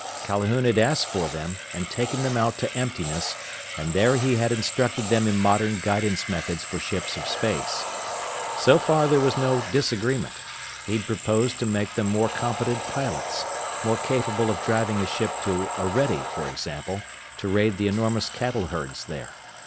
Calhoun had asked for them, and taken them out to emptiness, and there he had instructed them in modern guidance methods for ships of space. So far there was no disagreement. He'd proposed to make them more competent pilots; more capable of driving a ship to Orede, for example, to raid the enormous cattle herds there.